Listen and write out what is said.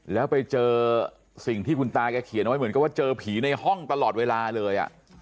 แล้วไปเจอสิ่งที่คุณตาแกเขียนไว้เหมือนกับว่าเจอผีในห้องตลอดเวลาเลย